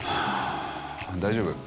大丈夫。